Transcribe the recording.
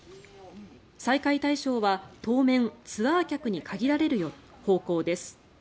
再開対象は当面ツアー客に限られる方向です。